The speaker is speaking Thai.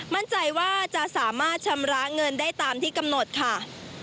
มั่นใจว่าจะสามารถชำระเงินได้ตามที่กำหนดค่ะ